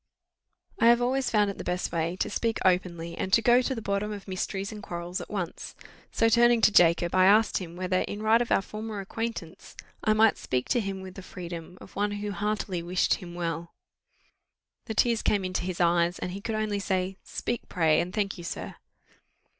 I have always found it the best way to speak openly, and to go to the bottom of mysteries and quarrels at once: so turning to Jacob, I asked him, whether, in right of our former acquaintance, I might speak to him with the freedom of one who heartily wished him well? The tears came into his eyes, and he could only say, "Speak, pray and thank you, sir."